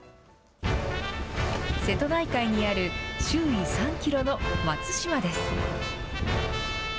瀬戸内海にある周囲３キロの松島です。